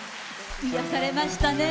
癒やされましたね。